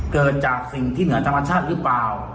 เกิดจากสิ่งที่เหนือธรรมชาติหรือเปล่า